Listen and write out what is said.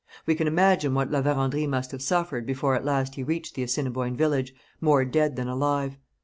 We can imagine what La Vérendrye must have suffered before at last he reached the Assiniboine village, more dead than alive.